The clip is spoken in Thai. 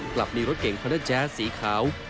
กลับมีรถเก่งคอนเดอร์แจ๊สสีขาว